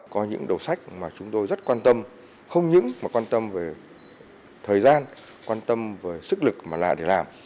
có những đầu sách mà chúng tôi rất quan tâm không những mà quan tâm về thời gian quan tâm về sức lực mà là để làm